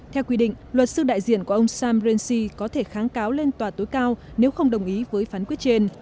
theo quy định luật sư đại diện của ông sam rinsy có thể kháng cáo lên tòa tối cao nếu không đồng ý với phán quyết trên